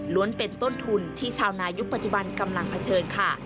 เป็นต้นทุนที่ชาวนายุคปัจจุบันกำลังเผชิญค่ะ